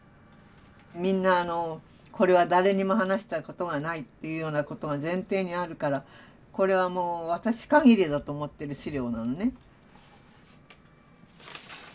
みんなこれは誰にも話したことがないというようなことが前提にあるからこれはもう私限りだと思ってる資料なのね。